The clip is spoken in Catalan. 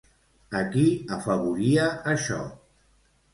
A qui afavoria això?